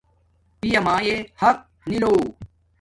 پیامایا حق نی لو